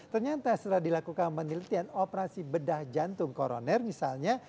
ternyata setelah dilakukan penelitian operasi bedah jantung koroner misalnya